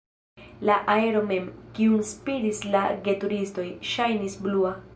La aero mem, kiun spiris la geturistoj, ŝajnis blua.